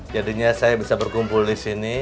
jadinya saya bisa berkumpul disini